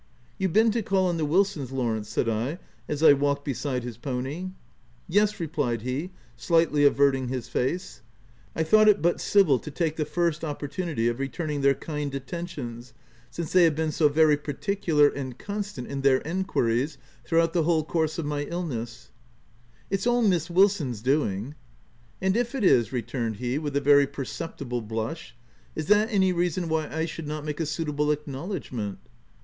9 You've been to call on the Wilsons, Law rence/' said I as I walked beside his pony. u Yes/* replied he, slightly averting his face :" I thought it but civil to take the first oppor tunity of returning their kind attentions, since they have been so very particular and constant OF WILDFELL HALL. 179 in their enquiries, throughout the whole course of my illness/' u It's all Miss Wilson's doing. " "And if it is," returned he, with a very per ceptible blush, " is that any reason why I should not make a suitable acknowledgment?"